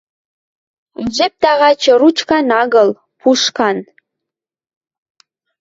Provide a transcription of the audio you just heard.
А жеп тагачы ручкан агыл, пушкан.